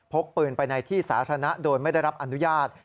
พกปืนไปในที่สาธารณะโดยไม่ได้รับอนุญาต